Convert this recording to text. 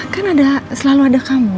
kan selalu ada kamu